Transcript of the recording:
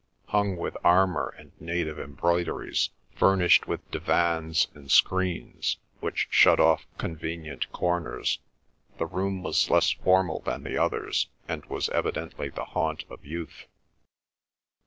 Hung with armour and native embroideries, furnished with divans and screens, which shut off convenient corners, the room was less formal than the others, and was evidently the haunt of youth.